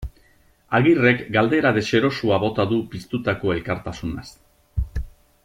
Agirrek galdera deserosoa bota du piztutako elkartasunaz.